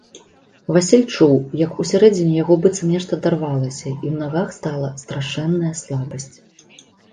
Васіль чуў, як усярэдзіне яго быццам нешта адарвалася і ў нагах стала страшэнная слабасць.